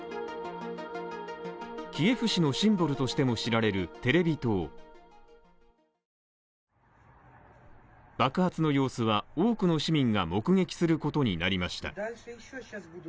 キエフ市のシンボルとしても知られるテレビ塔爆発の様子は多くの市民が目撃することになりました。